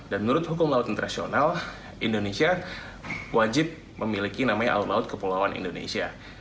dan menurut hukum laut internasional indonesia wajib memiliki namanya alur laut kepulauan indonesia